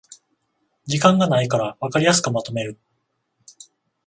時間がないからわかりやすくまとめる